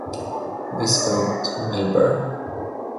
Viscount Melbourne.